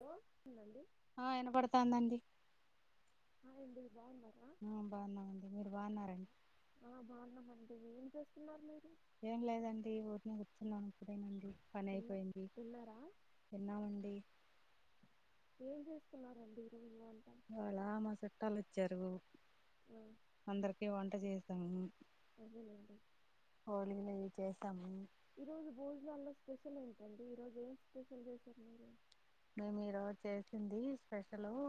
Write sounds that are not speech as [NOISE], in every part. Hello అండి ఆ వినపడుతాందండి [UNINTELLIGIBLE] బాగున్నామండి మీరు బాగున్నారండి బావున్నామండి ఏం చేస్తున్నారు మీరు ఏం లేదండి ఊరికనే కూర్చున్నాం ఇప్పుడే అండి. పని తిన్నా అయిపోయింది తిన్నారా తిన్నామండి. ఏం చేస్తుకున్నారండి ఈ రోజు ఇవాలా మా చుట్టాలు వచ్చిరు ఆ, అందరికి వంట చేస్తాము. అదేలేండి. ఓలిగలు ఇవి చేస్తం ఈ రోజు భోజనాల్లో స్పెషల్ ఏంటండి? ఈరోజు ఏం స్పెషల్ చేశారు మీరు. మేము ఈ రోజు చేసింది స్పెషల్ ఉ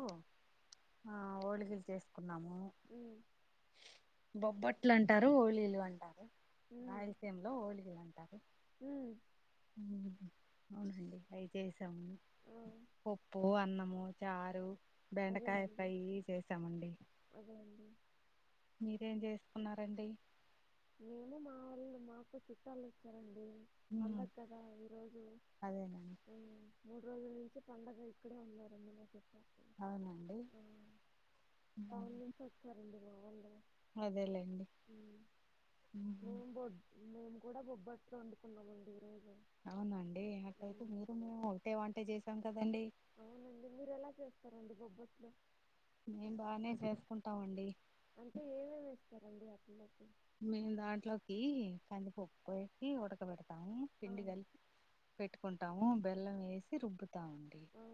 ఆ ఓలిగలు చేసుకున్నాము. ఉ బొబ్బట్లు అంటారు. ఒలీలు అంటారు. ఉమ్, రాయలసీమలో ఓలిగలు అంటారు ఉమ్, హుమ్ అవునండి అయితేసాము ఆ, పప్పు, అన్నము, చారు బెండకాయ అదేనండి ఫ్రై చేసామండి. అదే అండి మీరే ఎమ్ చేసుకున్నారండి మేము మా వొళ్ళు మాకు చుట్టాలు వచ్చారండి. హ్మ్ పండగ కదా ఈరోజు అదేనండి ఉహు మూడు రోజుల నుంచి పండగ ఇక్కడే ఉన్నారండి. మా చుట్ అవునండి ము అవండు అదేలేండి ఉమ్, నేమ్ బుడ్ మేము కూడా బొబ్బట్లు వండుకున్నామండి ఈ రోజు అవునండి. అట్ట అయితే మీరు మేము ఒకటే వంట చేసాం. కదండి అవునండి మీరు ఎలా చేస్తారు. అండి బొబ్బట్లో మేం బాగనే చేసుకుంటాం అండి. అంటే ఏమేమి వేస్తారండి అట్లకు మేము దాంట్లోకి కందిపప్పు వేసి ఉడకబెడ అవు ఆ! పిండి కలిపి పెట్టుకుంటాము. బెల్లం వేసి రుబ్బు తం అండి ఆ!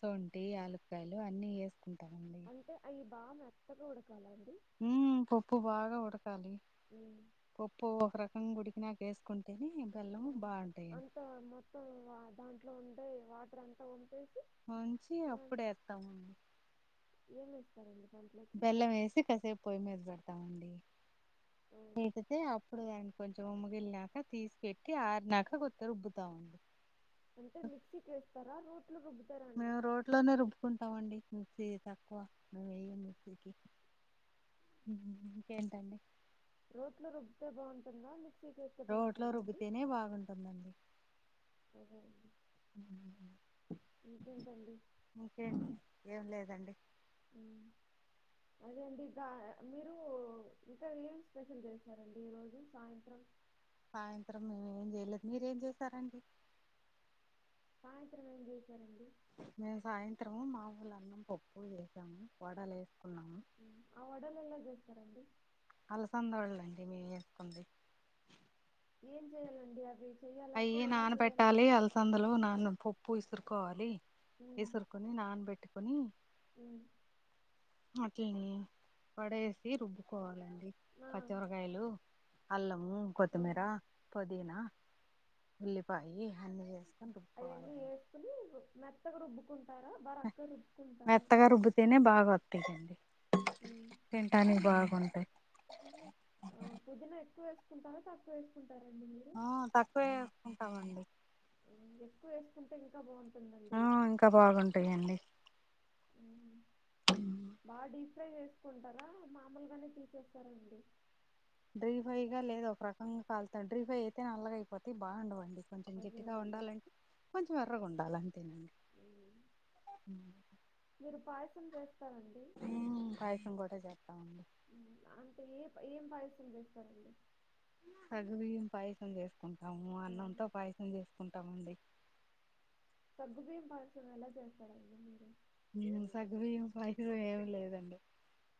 సొంటీ యాలు కాయలు అన్ని ఏసుకుంటాము. అంటే అయి బాగ మెత్తగ ఉడక ఉమ్ పప్పు బాగా ఉడకాలి హ్మ్. పప్పు ఒక రకంగా వుడికినక వేసుకుంటేనే బెల్లం ఆ బాగుంటాయండి అంత మొత్తం దాంట్ల ఇట్ లో ఉంటే వాటర్ అంతా మంచి అప్పుడేత్తమండి ఏమి ఇస్తారండి బెల్లం వేసి కాసేపు పొయ్యి మీద పెడతామండి ఆ! ఏంటితే అప్పుడుదానికి కొంచం ఉమ్ వెళ్ళాక తీసి పెట్టి ఆరునాక కొత్త రుబ్బుతా ఉండు అంటే మిక్సీకి వేస్తారా రుటు మేము రోడ్ లోనే రుబ్బకుంటాం అండి తకువ ను వెయ ముకి ఇకేంటండి రోట్లు రొబ్బితే బాగుంటుందా రోడ్లో రుబ్బితేనే బాగుంటుందండి ఆహ ఇంకేంటండి? ఇంకేంటి ఏం లేదండి హ్మ్. అదే అండి ఇకా మీరు ఇంకా ఏం స్పెషల్ చేస్తారండి ఈ రోజు సాయంత్రం సాయంత్రం మేము ఏం చేయలేదు మీరేం చేసారండి సాయంత్రం ఏం చేసారండి మేము సాయంత్రము మా ఊళ అన్నం పప్పు చేసాము వడలు వేసుకున్నాము ఆ వడలెల చేస్తారండి అలసంద వాలండి మేము చేసుకుంది ఏం చెయ్యాలండి అవి చేయాలంటే అయ్యి ఎలా నాన్న చేయాలి? పెట్టాలి అలసందలు నాన్న పప్పు ఇసురు కోవాలి హ్మ్. ఇసురుకొని నాన్నబెట్టుకొని హ్మ్. అట్లని పడేసి రుబ్బుకోవాలండి ఆ! కచ్చవరకాయలు అల్లం ఉమ్ ఆ! కొతిమీరా పుదీనా హుల్లి పయి అన్ని ఏ దుఃఖాలడి [UNINTELLIGIBLE] మెత్తగ రుబ్ కుంట మె మెత్తగా రుబ్బితేనే బాగా వత్తాదండి హ్మ్. తింటనికి బాగుంటాయి పుదనా ఎక్కువ వేసుకుంటార తక్కువ వేసుకుంట ఆ తక్కువేసుకుంటామండి ఎక్కువ వేసుకుంటే ఇంకా బాగుంటంది ఆ ఇంకా బాగుంటాందిండి బాగా డీప్ ఫ్రై చేసుకుంటారా మామలుగానే తీసేస్తారంండి డ్రీఫై గా లేదు ఒక రకంగా కలుతాం డ్రీఫై అయితే నల్లగ అయిపోత బాగుండవండి కొంచెం గట్టిగా అదేనండి. ఉండాలంటే కొంచెం ఎర్రగా ఉండాలి బాల అ తనాడి హ్మ్. మీరు పాయసం చేస్తారండి? ఏ కావసం కూడా చేస్తామండి హ్మ్. అంటే ఏ ఏం పయసుంది వేస్తార్ ఆళ్లు సగ్గుబియ్యం పాయసం చేసుకుంటాము ఆ! అన్నంతో పాయసం చేసుకుంటామండి సగ్గు బియ్యం పాయసం ఎలా చేస్తారండి మీరు సగగుబియ్యం పై ఏమిీ లేదండి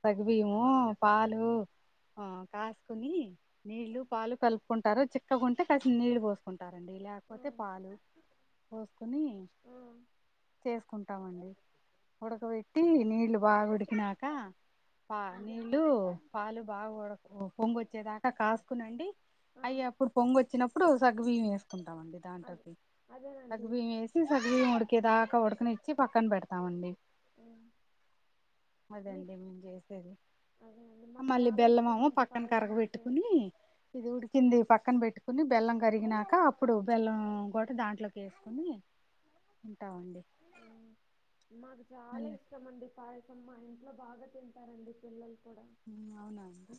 సగుబియ్యము పాలు ఆ కాసుకుని ఆ! నీళ్లు పాలు కలుపుకుంటారు త ఉంటే కాసి నీళ్ల పోసుకుంటే ంటారండి ఆ! లేకపోతే పాలు పోసుకుని ఆ! చేసుకుంటామండి ఉడక వెట్టి నీళ్ళు బాగుడికినాక పా అదే. నీళ్ళు పాలు బాగఉడ పొంగు వచ్చేదాకా కాసుకునండి ఆ! అయ్య అప్పుడు పొంగొచినప్పుడు సగవివే ఉంటామండి అదే. దాంట్లోకి అదేనండి. సగ్గుబియ్యం ఏసి సగ్గుబియ్యం ఉడికేదా కొడుకుని ఇ పక్కన పెట్ట ఇస్తామండి ఆ! అదండి మీకు మం చేసేది అదేనండి. మాకు మళ్ళీ చాలా బెల్లమామ ఇష్టమండి పక్కన పాయసం అంటే. కరగబెట్టుకుని ఇది ఉడికింది పక్కన పెట్టుకు కొని బెల్లం కరిగినాక అప్పుడు బెల్లం కూడా దాంట్లోకి వేసుకుని ఉంటామండి ఆ! మాకు చాలా ఇష్టం అండి పా కూడా. అవునా అండి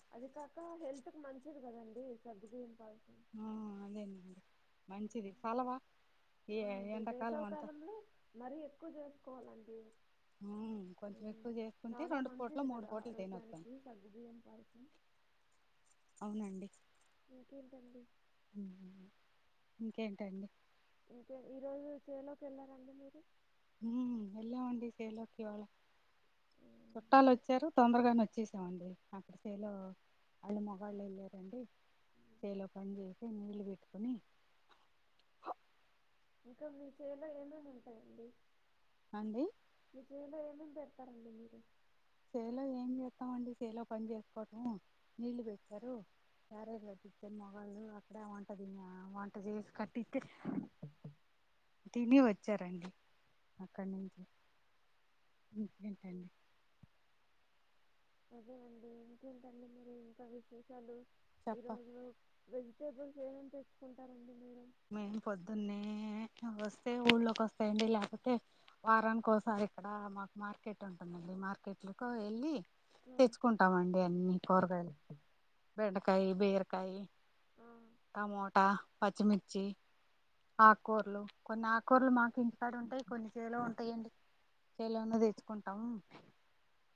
ఇంతకు మంచిది కదండి సగ్గు బయ్యంపాలి ఆ అదేనండి మంచిది ఫలవా ఆ అండి వేసవ కాలంలో మరి ఎక్కువ చేసుకోవాలండి ఉమ్ కొంచెం ఎక్కువ చేసుకుంటే రెండు పూట్ల మంచిది మూడు కదా పూట్లు తినేస్తాం ఆరోగ్యానికి సగ్గుబియ్యం పాయసం. అవునండి ఇంకేంటండి ఏంటండి క ఈ రోజు చేల్లోకి వెళ్ళారండి మీరు హు వెళ్ళామండి చేైలోకి ఇవాళ హ్మ్. చుట్టాలు వచ్చారు చుట్టాలోచేశారు తొందరగానే వచ్చేసామండి అక్కడ చేైలో వాళ్ళు మగళ్ళు వెళ్ళారండి చేైలో పని చేసి నీళ్లు పెట్టుకని ఇంకా మీ చేలో ఏమెమ్ ఉంటాయండి అండి మీ చేల్లో ఎమేమ్ పెరుతారండి మీరు సేలో ఏం చేస్తామండి సేలో పని చేసుకోవటం నీళ్లు పెట్టారు క్యారేజ్ కట్టిస్తే మొగళ్ళు అక్కడే వంటది వంటచేసి కట్టిస్తే తిని వచ్చారండి అక్కడి నుంచి ఇంకేంటండి అదేనండి ఇంకేంటండి మీరి ఇంకా విశేషాలు ఈ చెప్ప రోజు వెజిటబుల్స్ ఏమేమ్ తెచ్చుకుంటారంండి మేము పొద్దున్నే వస్ టే ఊళ్ళోకి వస్తాయండి లేకపోతే వారానినికిసారి ఇక్కడ మాకు మార్కెట్ ఉంటుందండి మార్కెట్ లోకి వెళ్ళి ఆ! తెచ్చుకుంటామండి అన్ని కూరగాయలు బెండ కాయి బేరకాయి ఆ! టమోటా పచ్చి మిర్ జీ ఆకూరలు కొన్ని ఆకుకూరలు మాకు ఇంటికాడ ఉంటాయి కొన్ని చేలో ఉంటాయండి చేలోనే తెచ్చుకుంటాము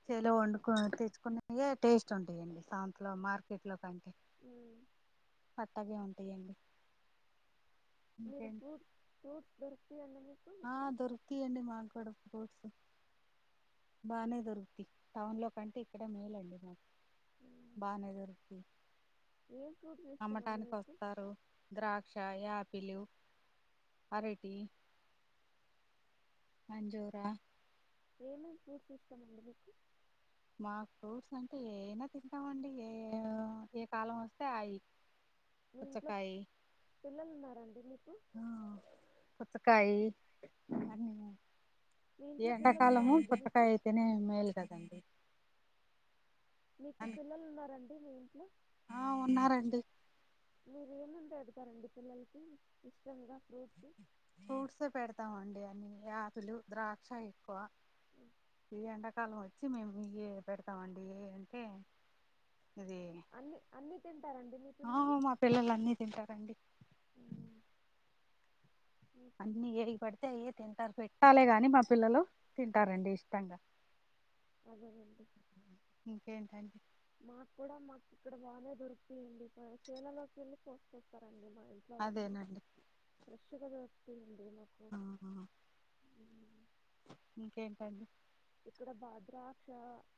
చేలో వండుకు తెచ్చుకునేే టేస్ట్ ఉంటాయండి సాంతలో మార్కెట్ లో కంటే అ అట్టాగె ఉంటాయండి మీరు ఇంకేంటి ఫ్రూట్ ఫ్రూట్స్ దొరుకుతయన్న మీ ఆ దొరుకితయండి మాకు కూడా ఫ్రూట్స్ బానే దొరుకుతి టౌన్ లో కంటే ఇక్కడ మేలండి మాకు హ్మ్. బానె దురుకూతయ్ ఏం ఫ్రూట్స్ ఇష్టం అండి అమ్మటానికి మీకు వస్తారు ద్రాక్ష యాపిలు ఆరేటి అంజూరా ఏమేమి ఫ్రూట్స్ ఇష్టమండి మీకు మాకు ఫ్రూట్స్ అంటే ఏమైనా తింటామండి ఏ ఏ కాలం వస్తే అవి మీ ఇంట్లో పిల్లలు ఉన్నారండి మీ హా పుచ్చకాయి మీ ఇంట్లో పిల్లలు ఎండాకాలము ఉన్నారండి మీకు పుచ్చకాయ అయితేనే మేల్ కదండి మీకు అందు పిల్లలు ఉన్నారం వీ మింట్లో ఆ ఉన్నారండి మీరు ఏ మేమ్ పెడుతారంండి పిల్లలకి ఇష్టంగా ఫ్రూట్స్ ఫూట్స్ పెడతామండి అన్ని ఆప్పిలు ద్రాక్ష పో ఈ ఏండా తాలం వచ్చి మేము ఈయె పెడతా మండి ఏ అంటే ఇది అన్ని అన్ని తింటారండి మీ పిల్లలు ఆహా మా పిల్లలు అన్నీ తింటారండి మ్మ్. మ్మ్. అన్ని ఏయి పడితే అయ్యే తింటారు పెట్టాలెగాని మా పిల్లలు తింటారండి ఇష్టంగా అదేనండి ఇంకేంటండి మాక్ కూడా ఇక్కడ బానే దొరికితియండి చేలల్లోకు వెళ్ళి కోసుకొస్తారండి మ ఇంట్లో వాళ్ళు అదేనండి ఫ్రెష్ గ దొరుకుతయ్ తినకు ఇంకేటండి ఇక్కడ బా ద్రాక్ష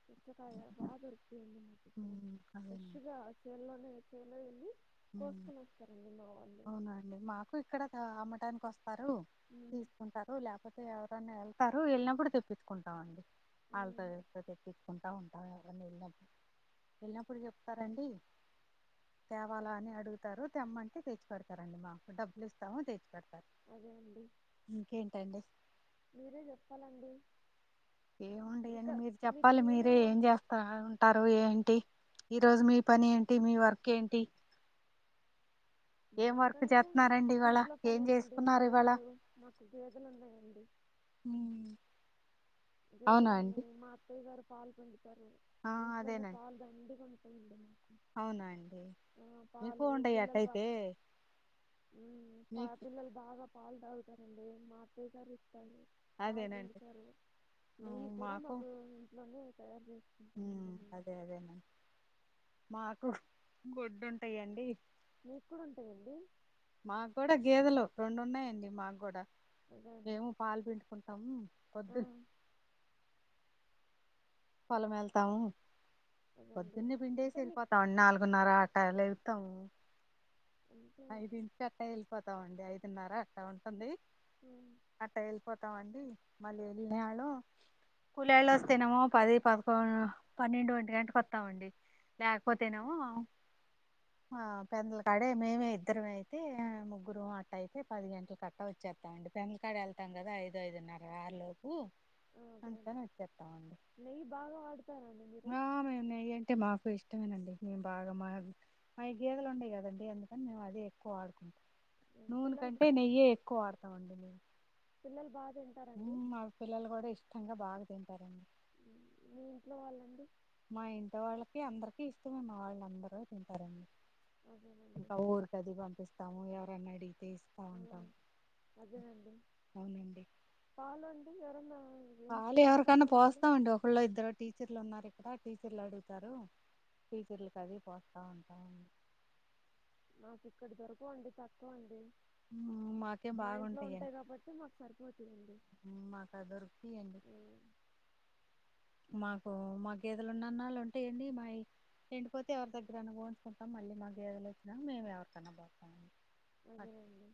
పుచ్చకాయ బాగ దొరుకతీయండి మాకు ఇక్కడ ఉమ్ అదేనండి ఫ్రెష్గా చెల్లోనే చేలో ఎల్లీ హుమ్ అవునండి మాకు ఇక్కడ అమ్మటానికి వస్తా పరు ఉమ్, తీసుకుంటారు ల్యాపోతే ఎవరనా వె సరు వెళ్ళినప్పుడు తెప్పించుకుంటాం అండి ఆళ్తో ఉమ్, చెపై తిట్టించుకుంటం ఆ మొన్న ఎల్లాం వెళ్ళినప్పుడు చెప్తారండి వాలాని అడుగుతారు తెమ్మంటే తెచ్చి పెడతారండి మాకు డబ్బులు ఇస్తాము తెచ్చ అదే అండి ఇంకేంటండి మీరే చెప్పా ఏముంటయి అండి మీరు మీకు చెప్పాలి మీరే ఏమేమి ఏం వం- చేస్త ఉంటారు ఏంటి ఈ రోజు మీ పని ఏంటి మీ వర్క్ ఏంటి ఏం వర్క్ మాక్అంటే చేస్తున్నారండి ఇవాళ ఇంట్లో ఏం పనేనండి చేసుకున్నారు ఇవాళ గేదెలు మాకు గేదెలు ఉన్నాయండి ఉమ్, అవునా అండి గేదెలున్నాయ్ మ అత్తయ్య గారు కాల్ పండి ఉంటరు ఆ ఇంట్లోనే అదేనండి పాలు దండి కొ ఏంది మా అవునా అండి ఆ మీకు పాలు ఉండయి పిల్లలు బా అట్టయితే మీకు పిల్లలు బాగా పాలు తాగుతారండి మా అత్తయ్య గారు పాలు అదేనండి పిండుతారు నెయ్యి ఉమ్, కూడా మాకు ఇంట్లో ఏ స అర్జం ఉ అదే అదేనా మాకు గొడ్డు ఉంటాయండి మీకు కూడా ఉంటాయండి మాకు కూడా గేదెలో రెండు ఉన్నాయండి మాకు కూడా అదే అండి ఏమో పాలు పిండుకుంటాము ఆ, పద్దు పొలము వెళ్తాము అదే అండి పొద్దున్నే పిండేసి అంటే మీకు వెళ్ళిపోతామండి నాలుగున్నర ఆట త్తను అంటే ఐదు నుంచి అట్టా వెళ్ళిపోతామండి ఐదు విన్నారా అట్టా ఉంటుంది ఆ, అట్ట వెళ్ళిపోతామండి మళ్ళీ వెళ్ళిన వాళ్ళు కులోళ్ళు వస్తేనేమో పది పదకొ పన్నెండు ఒంటి గంటక వస్తామండి లేకపోతేనేమో ఆ పెద్దల కాడే ఇద్దరం అయితే ముగ్గురు అట్ట అయితే పది గంటల కట్టా వచ్చేస్తాండి పెన్కాడ వెళ్తాం కదా ఐదు ఐదున్నర లోపు ఆ, అదే అండి అయితేనే వచ్చేస్తామండి నెయ్యి బాగా వాడతారండి మీరు ఆ మేము నెయ్యి అంటే మాకు ఇష్టమేనండి మే బాగా మా గేదలు ఉండయి కదండి ఎందుకని మే అది ఎక్కువ ఆడుకుంట ఉమ్, నూనె పిల్లలు కంటే నెయ్యే ఎక్కువ ఆడతామండి మీరు పిల్లలు బా మా పిల్లలు కూడా ఇష్టంగా బాగా తింటారండి ఉమ్, మీ ఇంట్లో వాళ్ళండి మా ఇంట్లో వాళ్ళకి అందరికి ఇష్టమే మా వాళ్ళు అందరూ తింటారండి అదేనండి ఇంకా ఊరికి అది పంపిస్తాము ఎవరు పమడి తీస్తా ఆ, ఉంటాం అదేనండి అవునండి అవునా పాలు ఎవరికన్నా పోస్తామండి ఒకళ్ళు ఇద్దరు టీచర్లు ఉన్నారు ఇక్కడ టీచర్లు అడుగు తారు టీచర్లకు అది పోస్తా ఉంటా అండి మాకు ఇక్కడ దొరకవండి తక్కువ అండి మాకే మా ఇంట్లో ఉంటాయి బాగుంటాయండి కాబట్టి మాకు సరిపోతాయండి మాకా దొరుకుతాయండి ఆ, మాకు మా గేదలు ఉన్నన్నళ్ళు ఉంటాయండి చేనుపోతే ఎవరి దగ్గరనా పోయించుకుంటాం మళ్ళీ మా గేదలు వచ్చినాక మేము ఎవరికన్నా పోస్తామండి అట్- అదేనండి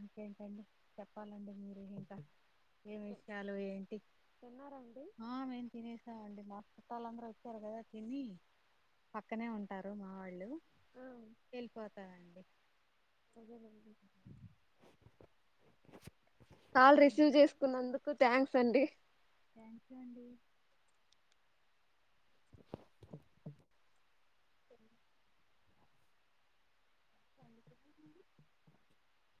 ఇంకేంటండి చెప్పాలండి మీరు ఇంకా ఏమి తి- విషయాలు ఏంటి తిన్నారా అండి ఆ మేము తినేసామండి మాత్త కొత్తవాళ్ళందరూ వచ్చారు కదా తిని పక్కనే ఉంటారు మా వాళ్ళు ఆ, ఎళ్ళిపోతానండి అదేనండి కాల్ రిసీవ్ చేసుకున్నందుకు థ్యాంక్స్ అండి థ్యాంక్ యూ అండి [INAUDIBLE] ఎందుకండి [INAUDIBLE]